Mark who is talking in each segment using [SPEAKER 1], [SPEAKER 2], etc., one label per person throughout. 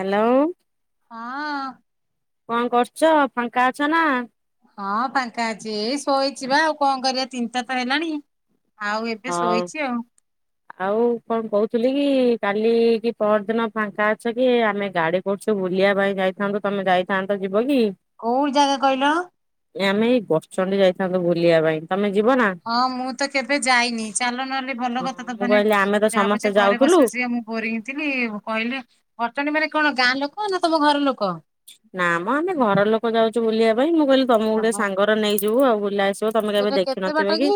[SPEAKER 1] Hello.
[SPEAKER 2] ହଁ।
[SPEAKER 1] କଣ କରୁଛ ଫାଙ୍କା ଅଛ ନା।
[SPEAKER 2] ହଁ ଫାଙ୍କା ଅଛି ଏଇ ଶୋଇଛିିବା ଆଉ କଣ କରିବା ତିନଟା ତ ହେଲାଣି। ଆଉ ଏବେ
[SPEAKER 1] ହଁ
[SPEAKER 2] ଶୋଇଛି ଆଉ।
[SPEAKER 1] ଆଉ କଣ କହୁଥିଲି? କାଲି କି ପରର ଦିନ ଫାଙ୍କା ଅଛ କି ଆମେ ଗାଡି କରୁଛୁ ବୁଲିବା ପାଇଁ ଯାଇଥାନ୍ତୁ ତମେ ଯାଇଥାନ୍ତ ଯ ଯ କି
[SPEAKER 2] କୋଉ ଜାଗା କହିଲ?
[SPEAKER 1] ଆମେ ଏଇ ଗଛଚଣ୍ଡ ଯାଇ। ତାଙ୍କୁୁ ବୁଲିବା ପାଇଁ। ତମେ ଯିବ ନା
[SPEAKER 2] ହଁ ମୁଁ ତ କେବୋ? ଯାଇନି ଚାଲ ନହେଲେ ଭଲ କଥା ତ
[SPEAKER 1] ମୁଁ
[SPEAKER 2] ମାନେ
[SPEAKER 1] କହିଲି ଆମେ ତ
[SPEAKER 2] ଯାହା
[SPEAKER 1] ସମସ୍ତେ
[SPEAKER 2] ପୁଛେ ଘରେ
[SPEAKER 1] ଯାଉଥିଲୁ
[SPEAKER 2] ବସି ବସି କା ମୁଁ ବୋରହଉଥିଲି କହିଲେ ବଟଣୀ ମାନେ କଣ ଗାଁ ଲୋକ ହଁ ନା ତମ ଘର ଲୋକ।
[SPEAKER 1] ନା ମ ଆମେ ଘର ଲୋକ ଯାଉଛୁ ବୁଲିବା ପାଇଁ ମୁଁ କହିଲି ତମକୁ ଗୋଟେ
[SPEAKER 2] ଓହୋ
[SPEAKER 1] ସାଙ୍ଗର ନେଇ ଯିବୁ ଆଉ ବୁଲା- ଯ ତମେ କେବେ
[SPEAKER 2] ସେଟା କେତେ
[SPEAKER 1] ଦେଖିନଥିବ
[SPEAKER 2] ବାଟ
[SPEAKER 1] କି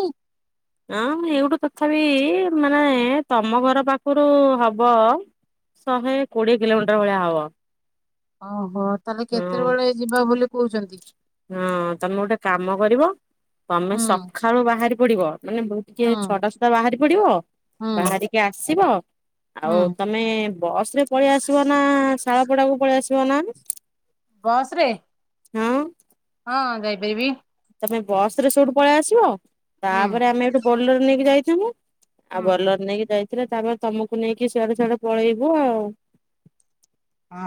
[SPEAKER 1] ଆଁ ଏଇଠୁ ତଥା ବିି ନାଇଁ ତମ ଘର ପାଖରୁ ହବ ଶହେ କୋଡିଏ କିଲୋମିଟର ଭଳିଆ ହବ।
[SPEAKER 2] ଓହୋ ତାହେଲେ
[SPEAKER 1] ହଁ
[SPEAKER 2] କେତେବେଳେ ଯିବା ବୋଲି କହୁଛନ୍ତି?
[SPEAKER 1] ହଁ ତମେ ଗୋଟେ କାମ କରିବ ତମେ
[SPEAKER 2] ହୁଁ
[SPEAKER 1] ସଖାଳୁ ବାହାରି ପଡିବ। ମାନେ ମୁଁ ଟିକେ
[SPEAKER 2] ହୁଁ
[SPEAKER 1] ଛଅଟା ସୁଧା ବାହାରି ପଡିବ
[SPEAKER 2] ହୁଁ
[SPEAKER 1] ବାହାରିକି ଆସିବ ଆଉ
[SPEAKER 2] ହୁଁ
[SPEAKER 1] ତମେ ବସ୍ ରେ ପଳେଇ ଆସିବ ନା ଶାଳପଡାକୁ ପଳେଇ ଆସିବ ଜଣାମ
[SPEAKER 2] ବସ୍ ରେ।
[SPEAKER 1] ହଁ।
[SPEAKER 2] ହଁ ଯାଇପାରିବି।
[SPEAKER 1] ତମେ ବସ୍ ରେ ସେଇଠୁ ପଳେଇ ଆସିବ
[SPEAKER 2] ହୁଁ
[SPEAKER 1] ତାପରେ ଆମେ ଏଇଠୁ ବୋଲର ନେଇକି ଯାଇ କେମ ଆଉ
[SPEAKER 2] ହୁଁ
[SPEAKER 1] ବୋଲର ନେଇକି ଯାଇ ଥିଲେ ତାପରେ ତମକୁ ନେଇକି ସିଆଡେ ସଆଡେ ପଳେଇବୁ ଆଉ।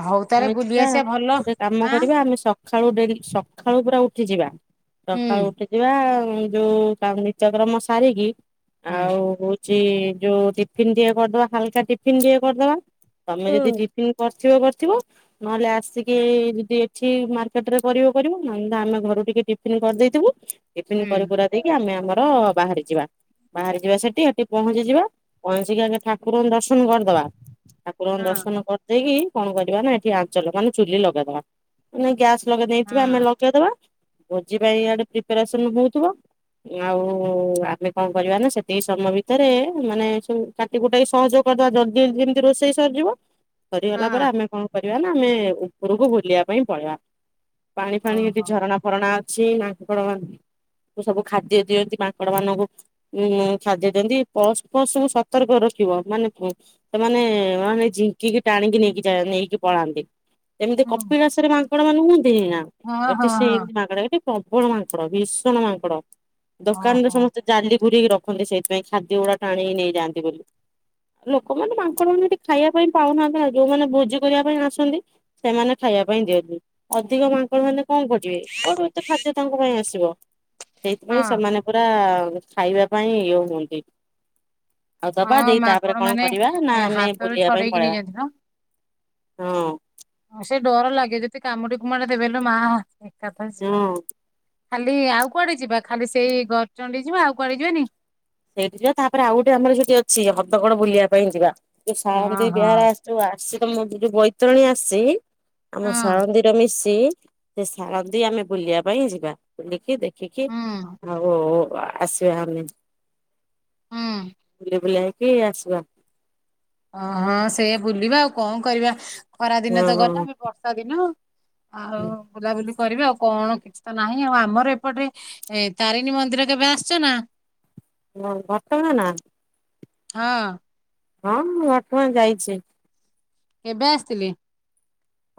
[SPEAKER 2] ହଉ ତାହେଲେ
[SPEAKER 1] ଆମେ
[SPEAKER 2] ବୁଲି
[SPEAKER 1] ଯିବା
[SPEAKER 2] ଆସିବା ଭଲ
[SPEAKER 1] ଗୋଟେ କାମ
[SPEAKER 2] ଆଁ
[SPEAKER 1] କରିବା ଆମେ ସଖାଳୁ ଡେଲି ସଖାଳୁ ପୁରା ଉଠ କୁ ଯିବା।
[SPEAKER 2] ହୁଁ।
[SPEAKER 1] ସକାଳୁ ଉଠି ଯିବା ଆଉ। ଯୋଉତା ନିତ୍ୟକ୍ରମ ସାରିକି
[SPEAKER 2] ହୁଁ
[SPEAKER 1] ଆଉ ଯୋଉ ଟିଫିନ ଟେ କରିଦବା ହାଲକା ଟିଫିନ ଟେ କରିଦବା ତମେ ଯଦି ଟିଫିନ କର କରିଥିବ କରିଥିବ ନହେଲେ ଆସିକି ଯଦି ଏଠି ମାର୍କେଟ ରେ କରିବ କରିବ ନହେ ଆମେ ଘରୁ ଟିକେ କରିଦେଇଥିବୁ। ଟିଫିନ୍
[SPEAKER 2] ହୁଁ
[SPEAKER 1] କରି କୁରା ଦେଇକି ଆମେ ଆମର ଅ ବାହାରି ଯିବା ବାହାରି ଯିବା ସେଠି ସେଠି ପହଞ୍ଚିଯିବା ପହଞ୍ଚି ଆଗେ ଠାକୁରଙ୍କୁ ଦର୍ସ ଦର୍ଶନ କରିଦବା ଠାକୁରଙ୍କଙ୍କୁ
[SPEAKER 2] ହଁ
[SPEAKER 1] ଦର୍ଶନ କରିଦେଇକି କଣ କରିବା ନା ଏଠି ଆଞ୍ଚଳ ମାନେ ଚୁଲି ଲଗେଇଦବା ମାନେ ଗ୍ୟା ଲଗେଇ
[SPEAKER 2] ହଁ
[SPEAKER 1] ଦେଇେଇଥିବେ ଆମେ ଲଗେଇଦବା ଭୋଜି ପାଇଁ ଆଡେ ପ୍ରିପାରେସନ ହଉଥିବ ଆଉ ଆମେ କଣ କରିବା ନା ସେତିକି ସମୟ ଭିତରେ ମାନେ କାଟିକୁଟାକ ସହଯୋଗ କରିଦବା ଜଲଦିି ଯେମିତି ରୋଷେଇ ସରିଯିବ। ସରିଗଲା ପରେ
[SPEAKER 2] ହଁ
[SPEAKER 1] ଆମେ କଣ? ିବା ନା ଆମେ ଉପରକୁ ବୁଲିବା ପାଇଁ ପଳେଇବା। ପାଣି ଫାଣି ଯଦି
[SPEAKER 2] ଓହୋ
[SPEAKER 1] ଝରଣା ଅଛି ମାଙ୍କଡ ମାନ ସବୁ ଖାଦ୍ୟ ଦିଅନ୍ତି ମାଙ୍କଡ ମାନଙ୍କୁ ଉ ଖାଦ୍ୟ ଦିଅନ୍ତି ପୁ ପଶୁୁ ସତର୍କ ରଖିବ ମାନେ ସେମାନେ ମାନେ ଝିଙ୍କିକି ଟାଣିକି ନେଇକି ଯ ନେଇକି ପଳାନ୍ତି। ଏମିତି କପିଳାସରେ ଆପଣାନେ ଁ
[SPEAKER 2] ହଁ
[SPEAKER 1] ଏ
[SPEAKER 2] ହଁ
[SPEAKER 1] ସେଇ ମାଗଡ଼ ପ୍ରବଳ ମାଙ୍କଡ ଭୀଷଣ ମାଙ୍କଡ ଦୋକାନରେ
[SPEAKER 2] ହଁ
[SPEAKER 1] ସମସ୍ତେ ଜାଲି ଘୁୁରିକି ରଖନ୍ତି ସେଇଥିପାଇଁ ଖାଦ୍ୟ ଗୁଡା ଟାଣିକି ନେଇଯାଆନ୍ତି ବୋଲି ଲୋକମାନେ ମାଙ୍କଡ଼ ମାନେ ଏଠି ଖାଇବା ପାଇଁ ପାଉନାହାନ୍ତି ଯୋଉମାନେ ଭୋଜି କରିବା ପାଇଁ ଆସନ୍ତି ସେମାନେ ଖାଇବା ପାଇଁ ଦିଅନ୍ତି ଅଧିକ ମାଙ୍କଡ଼ ମାନେ କଣ କର? କୋଠୁତେ ଖାଦ୍ୟ ତାଙ୍କ ପାଇଁ ଆସିବ। ସେଇଥିପାଇଁ ସେମାନେ ପୁରା ଖାଇବା ପାଇଁ ଇଏ ହୁଅନ୍ତି। ଆଉ ଦବା
[SPEAKER 2] ହଁ
[SPEAKER 1] ଦେଇ
[SPEAKER 2] ମାଙ୍କଡ
[SPEAKER 1] ତାପରେ କଣ
[SPEAKER 2] ମାନେ
[SPEAKER 1] କରିବା ନା
[SPEAKER 2] ଏ,
[SPEAKER 1] ଆମେ
[SPEAKER 2] ହାତରୁ
[SPEAKER 1] ବୁଲିବା ପାଇଁ
[SPEAKER 2] ଛଡେଇକି
[SPEAKER 1] ପଳେଇବା।
[SPEAKER 2] ନେଇଯାଆନ୍ତି ନା
[SPEAKER 1] ହଁ।
[SPEAKER 2] ହଁ, ସେ ଡର ଲାଗେ ଯଦି କାମୁଡି କୁଡେ ଦେବେ ହେଲେ ମା ଏକପସ ବା
[SPEAKER 1] ହଁ।
[SPEAKER 2] ଖାଲି ଆଉ କୁଆଡେ ଯିବା ଖାଲି ସେଇ ଗରଚଣ୍ଡି ଯିବା ଆଉ କୁଆଡେ ଯିବାନି।
[SPEAKER 1] ସେଇଠି ଯିବା ତାପରେ ଆଉ ଗୋଟେ ଆମର ସେଠି ଅଛି ହଦଗଡ ବୁଲିବା ପାଇଁ ଯିବା ତୁ
[SPEAKER 2] ହଁ
[SPEAKER 1] ସାନ୍ତି
[SPEAKER 2] ହଁ
[SPEAKER 1] ବିହାର ଆସିଛୁ ଆସୁ ତମ ଯୋଉ ବୈତରଣୀ ଆସି।
[SPEAKER 2] ହଁ
[SPEAKER 1] ଆମ ସାଳନ୍ଦିର ମିଶି ସେ ସାରନ୍ତିୀ ଆମେ ବୁଲିବା ପାଇଁ ଯିବା ବୁଲିକି ଦେଖ। କି କି?
[SPEAKER 2] ହୁଁ
[SPEAKER 1] ଆସିବା ଆମେ
[SPEAKER 2] ହୁଁ
[SPEAKER 1] କି ଆସିବା।
[SPEAKER 2] ଓହଁ ସେ ବୁଲିବା ଆଉ କଣ କରିବା? ଖରାଦିନ ତ ଗଲା ବି
[SPEAKER 1] ହଁ
[SPEAKER 2] ବର୍ଷା ଦିନ। ଆଉ ଗୁଲାବ। କରିବେ ଆଉ କଣ କିଛି ତ ନାହିଁ ଆଉ ଆମର ଏପଟେ ଏ ତାରିଣୀ ମନ୍ଦିର କେବେ ଆସିଛ ନା?
[SPEAKER 1] ହଁ ବର୍ତ୍ତମାନମାନ
[SPEAKER 2] ହଁ।
[SPEAKER 1] ହଁ ମୁଁ ଘଟଗାଁ ଯାଇଛି।
[SPEAKER 2] କେବେ ଆସିଥିଲେ।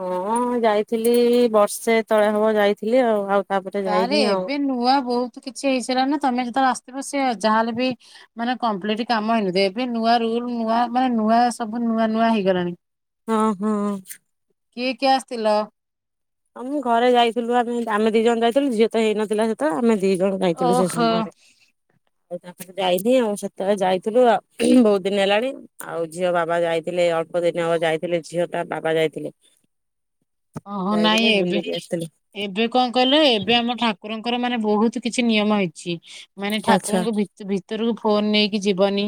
[SPEAKER 1] ହଁ ଯାଇଥିଲି ବର୍ଷେ ତଳେ ହବ ଯାଇଥିଲି ଆଉ ଆଉ ତାପରେ
[SPEAKER 2] ତାହେଲେ
[SPEAKER 1] ଯାଇନି ଆଉ
[SPEAKER 2] ଏବେ ନୂଆ ବହୁତ କିଛି ହେଇଥିଲା ନା ତମେ ଯେତେବେଳେ ଆ ତ ସେ ଯାହାେଲେ ବି ମାନେ କମ୍ପ୍ଲିଟ କାମ ହେଇନ ଏବେ ନୂଆ ରୁଲ ନୂଆ ମାନେ ନୂଆ ସବୁ ନୂଆ ନୂଆ ହେଇଗଲାଣି।
[SPEAKER 1] ଓହୋ।
[SPEAKER 2] କିଏ କିଏ ଆସିଥିଲ?
[SPEAKER 1] ଆଉ ମୁଁ ଘରେ ଯାଇଥିଲୁ ଆମେ ଆମେ ଦି ଜଣ ଯାଇଥିଲୁ ଝିଅ ତ ହେଇନଥିଲା ସେତଳେ ଆମେ ଦିଜଣ ଯାଇଥିଲୁ ସେ
[SPEAKER 2] ଓହୋ
[SPEAKER 1] ସମୟରେ। ଆଉ ତା ପରେ ଯାଇନି ଆଉ ସେତେବେଳେ ଯାଇଥିଲୁ ଆଉ ବହୁତ ଦିନ ହେଲାଣି ଆଉ ଝିଅ ବାବା ଯାଇ ଥିଲେ ଅଳ୍ପ ଦିନ ହବ ଯାଇଥିଲେ ଝିଅ ତା ବାବା ଯାଇଥିଲେ।
[SPEAKER 2] ଓହୋ ନାଇଁ
[SPEAKER 1] ଯାଇଥିଲେ
[SPEAKER 2] ଏବେ
[SPEAKER 1] ବୁଲିକି ଆସିଥିଲେ
[SPEAKER 2] ଏବେ କଣ କହିଲୁ ଏବେ ଆମ ଠାକୁରଙ୍କର ମାନେ ବହୁତ କିଛି କିଛି ନିୟମ ହେଇଛି। ମାନେ
[SPEAKER 1] ଆଚ୍ଛା
[SPEAKER 2] ଠାକୁରଙ୍କ ଭିତରକୁ ଫୋନ ନେଇକି ଯିବନି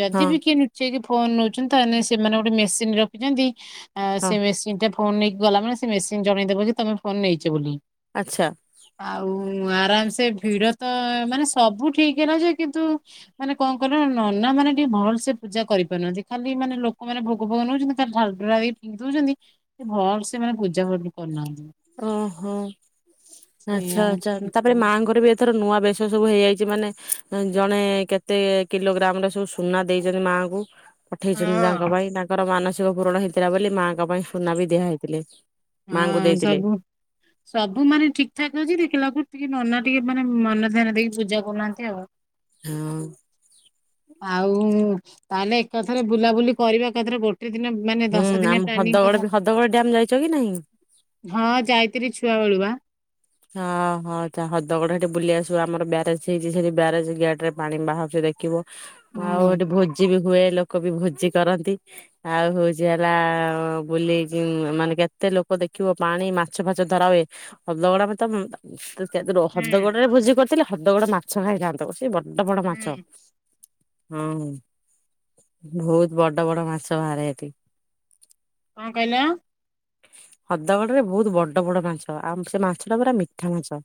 [SPEAKER 2] ଯଦି
[SPEAKER 1] ହଁ
[SPEAKER 2] ବି କିଏ ନୁଚେଇକି ଫୋନ ନଉଛନ୍ତି ତାେଲେ ସେମାନେ ଗୋଟେ ମେସିନ୍ ରଖିଛନ୍ତି। ଆ
[SPEAKER 1] ହଁ
[SPEAKER 2] ସେ ମେସିନ୍ ଟା ଫୋନ ନେଇକି ଗଲା ମାନେ ସେ ମେସିନ୍ ଜଣେଇଦବ କି ତମେ ଫୋନ ନେଇଛ ବୋଲି।
[SPEAKER 1] ଆଛ।
[SPEAKER 2] ଆଉ ଆରାମ ସେ ଭିଡ ତ ମାନେ ସବୁ ଠିକ ହେଲା ଯେ କିନ୍ତୁ ମାନେ କଣ କଲେ ନନା ମାନେ ଟିକେ ଭଲ ସେ ପୂଜା କରିପାରୁନାହାନ୍ତି ଖାଲି ମାନେ ଲୋକମାନେ ଭୋଗ ଫୋଗ ନଉଛନ୍ତି ଖାଲି ଢାଲ ଢୁଳା ଦେଇକି ଫିଙ୍ଗି ଫୁଙ୍ଗା ଦଉଛନ୍ତି ଭଲସେ ସେମାନେ ପୂଜା ଭଲ ସେ କରୁନାହାନ୍ତି।
[SPEAKER 1] ଓହୋ
[SPEAKER 2] ସେଇଆ
[SPEAKER 1] ଆଚ୍ଛା ଆଚ୍ଛା
[SPEAKER 2] ହଉଛି
[SPEAKER 1] ତାପରେ
[SPEAKER 2] କଥା।
[SPEAKER 1] ମାଆଙ୍କର ବି ଏଥର ନୂଆ ବେଶ ସବୁ ହେଇଯାଇଛି ମାନେ ଜଣେ କେତେ କିଲୋଗ୍ରାମରେ ସବୁ ସୁନା ଦେଇଛନ୍ତି ମାଙ୍କୁ। ପଠେଇଛନ୍ତି ତାଙ୍କ
[SPEAKER 2] ହଁ
[SPEAKER 1] ପାଇଁ ତାଙ୍କର ମାନସିକ ପୂରଣ ହେଇଥିଲା ବୋଲି ମାଆଙ୍କ ପାଇଁ ସୁନା ବି ଦିଆ ହେଇଥିଲେ। ମାଙ୍କୁ
[SPEAKER 2] ହଁ
[SPEAKER 1] ଦେଇ
[SPEAKER 2] ସବୁ ସବୁ ମାନେ ଠିକ ଠାକ ହଉଛି ଦେଖିଲା ବେଳକୁୁ ଟିକେ ନନା ଟିକେ ମାନେ ମନ ଧ୍ୟାନ ଦେଇକି ପୂଜା କରୁନାହାନ୍ତି ଆଉ।
[SPEAKER 1] ହଁ।
[SPEAKER 2] ଆଉ ତାହେଲେ ଏକାଥରେ ବୁଲାବୁଲି କରିବା ଏକାଥରେ ଗୋଟେ ଦିନ ମାନେ
[SPEAKER 1] ହୁଁ
[SPEAKER 2] ଦଶ
[SPEAKER 1] ଆମ
[SPEAKER 2] ଦିନ ପ୍ଲାନି
[SPEAKER 1] ହଦଗଡ ହଦଗଡ ଡ୍ୟାମ ଯାଇଛ କି ନାହିଁ?
[SPEAKER 2] କରିଦବା ହଁ ଯାଇଥିଲି ଛୁଆ ବେଳୁବା। ନା।
[SPEAKER 1] ହଁହୋ ତା ହଦଗଡ ସେଠି ବୁଲି ଆସିବ ଆମର ବ୍ୟାରେଜ ହେଇଛି ସେଠି ବ୍ୟାରେଜ ସେଠି ରେ ପାଣି ବାହାରୁଛି ଦେଖିବ। ଆଉ
[SPEAKER 2] ହୁଁ।
[SPEAKER 1] ଏଠି ଭୋଜି ବି ହୁଏ ଲୋକ ବି ଭୋଜି କରନ୍ତି ଆଉ ହଉଛି ହେଲା ବୁଲି ମାନେ କେତେ ଲୋକ ଦେଖିବ ପାଣି ମାଛ ଫାଛ ଧରା ହୁଏ ହଦଗଡ଼ ମ ତା
[SPEAKER 2] ହୁଁ
[SPEAKER 1] ହଦଗଡ ରେ ଭୋଜି କରିଥିଲେ ହଦଗଡ ମାଛ ଖାଇଥାନ୍ତ କଷିକି ବଡ କେତେ ବଡ ମାଛ।
[SPEAKER 2] ହୁଁ
[SPEAKER 1] ହଁ ବହୁତ ବଡ ବଡ ମାଛ ବାହାରେ ଏଠି।
[SPEAKER 2] କଣ କହିଲ।
[SPEAKER 1] ହଦଗଡ ରେ ବହୁତ ବଡ ବଡ ମାଛ ଆମେ ସେ ମାଛ ଏଟା ପୁରା ମିଠା ମାଛ।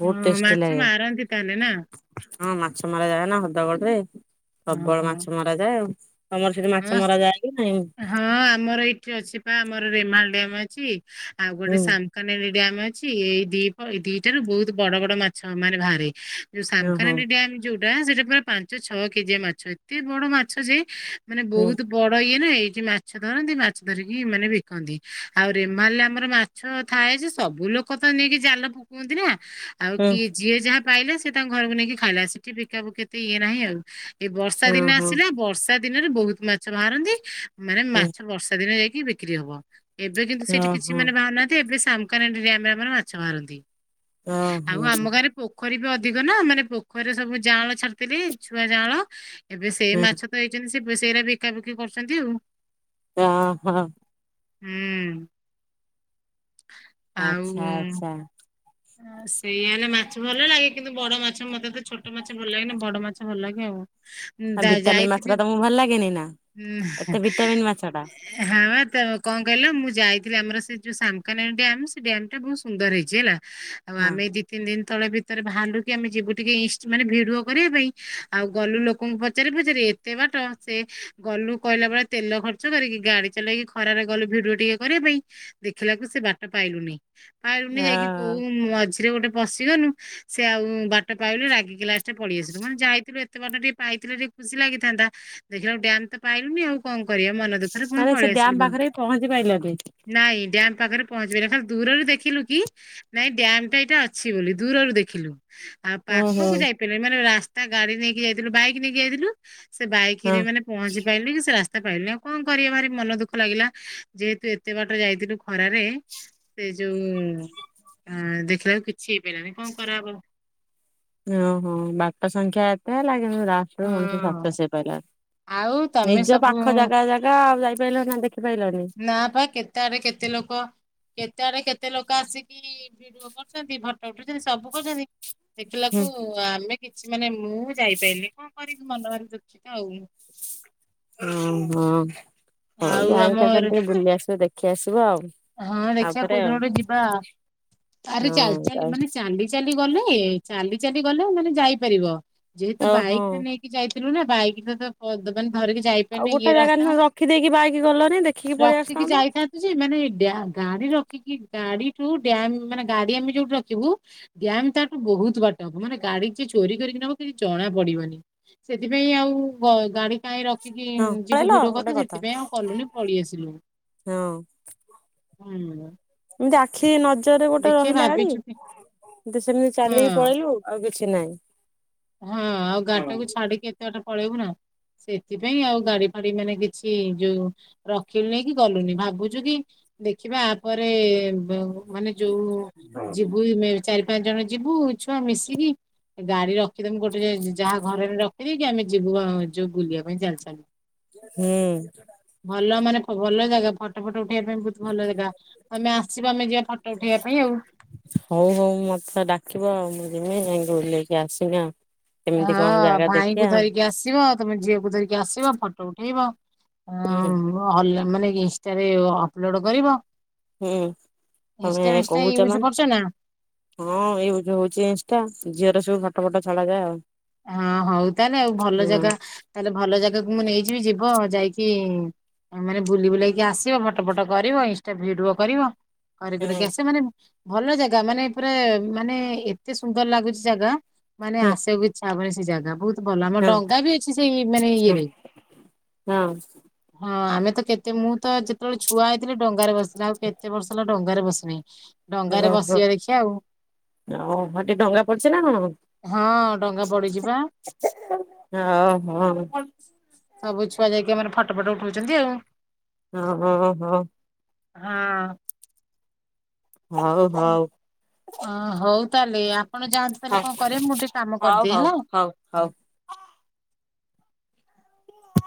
[SPEAKER 1] ବହୁତ
[SPEAKER 2] ହଁ
[SPEAKER 1] ଟେଷ୍ଟି
[SPEAKER 2] ମାଛ
[SPEAKER 1] ଲାଗେ।
[SPEAKER 2] ମାରନ୍ତି ତାହାଲେ ନା।
[SPEAKER 1] ହଁ ମାଛ ମରା ଯାଏ ନା ହଦଗଡ ରେ। ପ୍ରବଳ
[SPEAKER 2] ଓହୋ
[SPEAKER 1] ମାଛ ମରା ଯାଏ ଆଉ। ତମର ସେଠି ମାଛ
[SPEAKER 2] ହଁ
[SPEAKER 1] ମରାଯାଏ କି ନାଇଁ?
[SPEAKER 2] ହଁ ଆମର ଏଇଠି ଅଛି ପା ଆମର ରେମାଲ ଡାମ ଅ ଛି। ଆଉ ଗୋଟେ
[SPEAKER 1] ହୁଁ
[SPEAKER 2] ସାଂକାନେ ଡ୍ୟାମେ ଅଛି ଏଇ ଦି ଦିଟାରୁ ବହୁତ ବଡ ବଡ ମାଛ ମାନେ ବାହାରେ। ଯୋଉ
[SPEAKER 1] ଓହୋ
[SPEAKER 2] ସାମ୍କାନେଡି ଡ୍ୟମ୍ ଯୋଉ ପୁରା ସେଟା ପୁରା ପାଞ୍ଚ ଛଅ କେଜିଆ ମାଛ ଏତେ ବଡ ମାଛ ଯେ ମାନେ
[SPEAKER 1] ହୁଁ
[SPEAKER 2] ବହୁତ ବଡ ଇଏ ନା ଏଇଠି ମାଛ ଧରନ୍ତି ମାଛ ଧରିକି ମାନେ ବିକନ୍ତି ଆଉ ରେମାଲ ଆମର ମାଛ ଥାଏ ଯେ ସବୁ ଲୋକ ତ ନେଇକି ଜାଲ ପକାନ୍ତି ନା। ଆଉ
[SPEAKER 1] ହୁଁ
[SPEAKER 2] କିଏ ଯିଏ ଯାହା ପାଇଲା ସେ ତାଙ୍କ ଘରକୁ ନେଇକି ଖାଇଲା ସେଠି ବିକା ବୁକି ଏତେ ଇଏ ନାହିଁ ଆଉ। ଏଇ ବର୍ଷା ଦିନ
[SPEAKER 1] ଓହୋ
[SPEAKER 2] ଆସିଲା ବର୍ଷା ଦିନରେ ବହୁତ ମାଛ ମାରନ୍ତି। ମାନେ
[SPEAKER 1] ହୁଁ
[SPEAKER 2] ମାଛ ବର୍ଷା ଦିନେ ଯାଇ ବିକ୍ରି ହବ। ଏବେ କିନ୍ତୁ ସେଇଠି କିଛି
[SPEAKER 1] ଓହୋ
[SPEAKER 2] ମାନେ ବାହାରୁନାହାନ୍ତି ଏବେ ସେ ସାାମକାନେଣ୍ଡି ଡ୍ୟାମରେ ମାନେ ମାଛ ମାରନ୍ତି। ଆଉ
[SPEAKER 1] ଓହୋ
[SPEAKER 2] ଆମ ଗାଁରେ ପୋଖ ପୋଖରୀରେ ଅଧିକ ନା ମାନେ ପୋଖରୀ ସବୁ ଯାଆଁଳା ଛାଡିଥିଲେ ଛୁଆ ଯାଆଁଳା ଏବେ ସେଇ
[SPEAKER 1] ହୁଁ
[SPEAKER 2] ମାଛ ତ ଏ ସେ ସେଇଟା ବିକା ବିକି କରୁଛନ୍ତି ଆଉ।
[SPEAKER 1] ଓ ହୋ।
[SPEAKER 2] ହୁଁ।
[SPEAKER 1] ଆଚ୍ଛା ଆଚ୍ଛା।
[SPEAKER 2] ହ ସେଇଆ ହେଲେ ମାଛ ଭଲ ଲାଗେ କିନ୍ତୁ ବଡ ମାଛ ମତେ ତ ଛୋଟ ମାଛ ଭଲ ଲାଗେନି ବଡ ମାଛ ଭଲ ଲାଗେ ଆଉ
[SPEAKER 1] ଆଉ ଭିଟାମିନ୍ ମାଛ ଟା
[SPEAKER 2] ଯାଇଥିଲି
[SPEAKER 1] ତମକୁ ଭଲ ଲାଗେନି ନା? ଏତେ ଭିଟାମିନ୍ ମାଛ ଟା
[SPEAKER 2] ହଁ ତ କଣ କହିଲ ମୁଁ ଯାଇଥିଲି ଆମର ସେ ଯୋଉ ସାମକାନେ ଡ୍ୟାମ ସେ ଡ୍ୟାମ ଟା ବହୁତ ସୁନ୍ଦର ହେଇଛି ହେଲା ଆଉ
[SPEAKER 1] ହଁ
[SPEAKER 2] ଆମେ ଦି ତିନି ଦିନ ତଳେ ଭିତରେ ଭାହାରୁଲିକୁ କିି ଆମେ ଯିବୁ ଟିକେ ଇଁଷ୍ଟ ମାନେ ଭିଡିଓ କରିବା ପାଇଁ। ଆଉ ଗଲୁ ଲୋକଙ୍କୁ ପଚାରି ପଚାରି ଏତେ ବାଟ ସେ ଗଲୁ କହିଲା ବେଳେ ଖର୍ଚ କରିକି। ଗାଡି ଚଲେଇକି ଖରାରେ ଗଲୁ ଭିଡିଓ ଟିକେ କରିବା ପାଇଁ ଦେଖିଲାକୁ ସେ ବାଟ ପାଇଲୁନି। ହଁ ରୁନି ଯାଇକି
[SPEAKER 1] ହଁ।
[SPEAKER 2] ଝିରେ ଗୋଟେ ପଶିଗନୁ ସେ ଆଉ ବାଟ ପାଇଲୁ ରାଗିକି ଲାଷ୍ଟ ରେ ପଳେଇଆସିଲୁ। ମାନେ ଯାଇଥିଲୁ ଏତେ ବାଟ ଟିକେ ପାଇଥିଲେ ଟିକେ ଖୁସି ଲାଗିଥାନ୍ତା। ଦେଖିଲାଳୂ ଡ୍ୟାମ ତ ପାଇଲୁନି ଆଉ କଣ କରିବା ମନ ଦୁଃଖରେ ପୁଣି
[SPEAKER 1] ମାନେ ସେ
[SPEAKER 2] ପଳେଇ
[SPEAKER 1] ଡ୍ୟାମ
[SPEAKER 2] ଆସିଲୁ ଘରକୁ।
[SPEAKER 1] ପାଖରେ ବି ପହଞ୍ଚି ପାଇଲନି।
[SPEAKER 2] ନାଇଁ ଡ୍ୟାମ ପାଖରେ ପହଞ୍ଚି ପାଇଲୁନି ଖାଲି ଦୂରରୁ ଦେଖିଲୁ କି ନାଇଁ ଡ୍ୟାମ ଟା ଏଇଟା ଅଛି ବୋଲି ଦୂରରୁ ଦେଖିଲୁ। ଆଉ
[SPEAKER 1] ଓହୋ
[SPEAKER 2] ପାଖକୁ ଯାଇପାରିଲୁନି ମାନେ ରାସ୍ତା ତା ଗାଡି ନେଇକି ଯାଇଥିଲୁ ବାଇକ ନେଇକି ଯାଇଥିଲୁ ସେ
[SPEAKER 1] ହଁ
[SPEAKER 2] ବାଇକରେ ମାନେ ପହଞ୍ଚି ପାଇଲିନି କି ସେ ରାସ୍ ପାଇଲୁନି ଆଉ କଣ କରିବା ଭାରି ମନ ଦୁଃଖ ଲାଗିଲା। ଯେହେତୁ ଏତେ ବାଟ ଯାଇଥିଲୁ ଖରାରେ ସେ ଯୋଉ ହ ଦେଖିଲାକୁ କିଛି ହେଇପାରିଲାନି କଣ କରାହେବ।
[SPEAKER 1] ଓହୋ ବାଟ ସଂଖ୍ୟା ଏତେ ହେଲା ଲାଷ୍ଟ୍ରରେ ମଣିଷ
[SPEAKER 2] ହଁ।
[SPEAKER 1] ସକ୍ସେସ ହେଇପାରିଲାନି।
[SPEAKER 2] ଆଉ ତମେ
[SPEAKER 1] ନିଜ
[SPEAKER 2] ସବୁ
[SPEAKER 1] ପାଖ ଜାଗା ଜାଗା ଆଉ ଯାଇପାରିଲ ନା ଦେଖିତ୍
[SPEAKER 2] ନା ବା କେତେ ଆଡେ କେତେ ଲୋକ କେତେ ଆଡେ କେତେ ଏତେ ଲୋକ ଆସିକି ଭିଡିଓ କରୁଛନ୍ତି। ଫଟ ଉଠୋଉଛନ୍ତି ସବୁ କରୁଛନ୍ତି।
[SPEAKER 1] ହୁଁ
[SPEAKER 2] ଦେଖିଲାକୁ ଆମେ କି ଛି ମାନେ ମୁଁ ଯାଇପାଇଲିନି କଣ କରିବି। ମନ ମାରି ଦୁଃଖିତ ଆଉ।
[SPEAKER 1] ହଁ ହଁ ହଉ ଆଉ ଯାଇଁ କେତେଳେ ସେ ବୁଲି ଆସ୍ ସେ ଦେଖି ଆସ୍
[SPEAKER 2] ହଁ ଦେଖିବା କୋଉଦିନ ଗୋଟେ ଯିବା। ଆରେ ଚାଲି ଚାଲି
[SPEAKER 1] ହଁ
[SPEAKER 2] ମାନେ ଚାଲି ଚାଲି ଗଲେ କେ ଚାଲି ଚାଲି ଗଲେ ମାନେ ଯାଇପାରିବ ଯେହେତୁ
[SPEAKER 1] ଓହୋ
[SPEAKER 2] ବାଇକ ରେ ନେଇକି ଯାଇ ଥିଲୁ ନା ବାଇକ ଟାତ ପଦ୍ ମାନେ ଧରିକି
[SPEAKER 1] ଆଉ
[SPEAKER 2] ଯାଇପାରିନି ଇଏ
[SPEAKER 1] ଗୋଟେ ଜାଗାରେ
[SPEAKER 2] ରାସ୍ତା
[SPEAKER 1] ନ ରଖିଦେଇକି ବାଇକ ଗଲନି ଦେଖିକି ପଳେଇ ଆସିଥାନ୍ତ।
[SPEAKER 2] ଆ ଗାଡି ରଖିକି ଗାଡିୁ ଠୁ ଡ୍ୟାମ ମାନେ ଗାଡି ଆମେ ଯୋଉଠି ରଖିବୁ ଡ୍ୟାମ ତାଠୁ ବହୁତ ବାଟ ହବ। ମାନେ ଗାଡି ଯି ଚୋରି କରିକି ନବ କିଛି ଜଣା ପଡିବନି। ସେଥିପାଇଁ ଆଉ ଅ ଗାଡି କାହିଁ ରଖିକି
[SPEAKER 1] ହଁ
[SPEAKER 2] ଯିବୁ
[SPEAKER 1] ପଳେଇଲ
[SPEAKER 2] ଭିଡିଓ
[SPEAKER 1] ଗୋଟେ
[SPEAKER 2] କରିତେ
[SPEAKER 1] କଥା
[SPEAKER 2] ସେଥିପାଇଁ ଆଉ କଲୁନି ପଳେଇ ଆସିଲୁ।
[SPEAKER 1] ହଁ
[SPEAKER 2] ହୁଁଉଁ।
[SPEAKER 1] ପାଖେ ନଦୀ ନିଜରେ ଗୋଟେ ରହିଲା ଗାଡି।
[SPEAKER 2] କି-
[SPEAKER 1] ଦେ ସେମିତି ଚାଲିକି
[SPEAKER 2] ହଁ।
[SPEAKER 1] ପଳେଇଲୁ ଆଉକି କିଛିନାହିଁ
[SPEAKER 2] ହଁ ଆଉ ଗାଡି ଟାକୁ ଛାଡିକି କେତେ ବାଟ ପଳେଇବୁ ନା ସେଥିପାଇଁ ଆଉ ଗାଡି ଫାଡି ମାନେ କିଛି ଯୋଉ ରଖିଲୁ ନେଇ କି ଗଲୁନି ଭାବୁଛୁ କି ଦେଖିବା ଆ ପରେ ଯୋଉ ମାନେ ଯୋଉ ଯିବୁ ମେ ଚାରି [inaudible] ଯିବୁ ଛୁଆ ମିଶିକି ଗାଡି ର କି ଗୋଟେ ଯାହା ଘରେ ରେ ର ଫେରିକି ଆମେ ଯିବୁ ଆଯୋଉ ବୁଲିଆ ପାଇଁ
[SPEAKER 1] ହୁଁ
[SPEAKER 2] [inaudible] ଭଲ ମାନେ ଭଲ ଜାଗା ଗୋଟେ ପ ଫଟୋ ଉଠେଇବା ପାଇଁ ବହୁତ ଭଲ ଜାଗା ଆମେ ଆସିବା ଆମେ ଯିବା ଫଟୋ ଉଠେଇବା ପାଇଁ ଆଉ।
[SPEAKER 1] ଜିମି ଯାଇକି ବୁଲିକି ଆସିବି ଆଉ କେମିତି କଣ
[SPEAKER 2] ହଁ
[SPEAKER 1] ଜାଗା
[SPEAKER 2] ଭାଇଙ୍କୁ
[SPEAKER 1] ଦେଖିବା
[SPEAKER 2] ଧରିକି ଆସିବ ତମେ ଝିଅକୁ କୁ ଧରିକି ଆସିବ ଫଟୋ ଉଠେଇବ
[SPEAKER 1] ହୁଁ
[SPEAKER 2] ହଁ [inaudible] ମାନେ ଇନଷ୍ଟାରେ ଅପଲୋଡ କରିବ
[SPEAKER 1] ହୁଁ ତମେ
[SPEAKER 2] ଇନଷ୍ଟା ଫିନଷ୍ଟା
[SPEAKER 1] କହୁଛ
[SPEAKER 2] ୟୁଜ କରୁଛ ନା
[SPEAKER 1] ମାନେ ହଁ ୟୁଜ ହଉଛି ଇନଷ୍ଟା ଝିଅର ସବୁ ଫଟୋ ଫଟୋ ଛଡାଯାଏ ଆଉ
[SPEAKER 2] ହଁ ହଉ ତାହେଲେ ଆଉ ଭଲ
[SPEAKER 1] ହଁ
[SPEAKER 2] ଜାଗା ତାହାଲେ ଭଲ ଜାଗା ଝିଅକୁ ମୁଁ ନେଇଯିବି ଯିବ ଯାଇକି ମାନେ ବୁଲି ବୁଲେଇକି ଆସିବ ଫଟୋ ଫଟ କରିବ ଇନଷ୍ଟା ଭିଡିଓ କରିବ। କରି କୁରିକି ଆସିବୁ ମାନେ ଭଲ ଜାଗା ମାନେ ପୁରା ମାନେ ଏତେ ସୁନ୍ଦର ଲାଗୁଛି ଜାଗା ମାନେ
[SPEAKER 1] ହଁ
[SPEAKER 2] ଆସିଆକୁ ଇ ସବୁବେଳେ ସେ ଜାଗା ବହୁତ ଭଲ ଆମର
[SPEAKER 1] ହଁ
[SPEAKER 2] ଡଙ୍ଗା ବି ଅଛି ସେଇ ମାନେ
[SPEAKER 1] ହଁ
[SPEAKER 2] ଇଏରେ
[SPEAKER 1] ହଁ
[SPEAKER 2] ହଁ ଆମେ ତ କେତେ ମୁଁ ତ ଯେତବଳେ ଛୁଆ ହେଇଥିଲି ଡଙ୍ଗାରେ ବସିି ଆଉ କେତ ବର୍ଷ ହେଲା ଡଙ୍ଗାରେ ବସିନେଇ
[SPEAKER 1] ଓ ହୋ ଆଉ ହେଠି ଡ଼ଙ୍ଗା ପଡିଛି ନା କଣ?
[SPEAKER 2] ହଁ ଡଙ୍ଗା ପଡିଛି ବା
[SPEAKER 1] ଓ ହୋ
[SPEAKER 2] ମାନେ ଫଟୋ ଫଟ ଉଠଉଛନ୍ତି ଆଉ।
[SPEAKER 1] ହୁଁ ହୁଁ ହଁ।
[SPEAKER 2] ହଁ।
[SPEAKER 1] ହଉ ହଉ।
[SPEAKER 2] ଅଁ ହଉ ତାହେଲେ ଆ ଆପଣ ଯାଆନ୍ତୁ ତାହେଲେ କଣ କରିବେ ମୁଁ ଟିକେ କାମ କରିଦିଏ
[SPEAKER 1] ହଉ
[SPEAKER 2] ହେଲା।
[SPEAKER 1] ହଉ ହଉ।